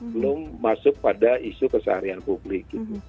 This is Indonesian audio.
belum masuk pada isu keseharian publik